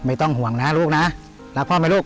ไม่ต้องห่วงนะลูกนะรักพ่อไหมลูก